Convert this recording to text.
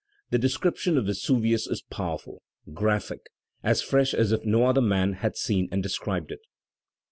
The description of Vesuvius is powerful, ^aphic, as fresh as if no other man had seen and described it.